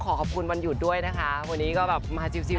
ขอขอบคุณวันหยุดด้วยนะคะวันนี้ก็แบบมาชิล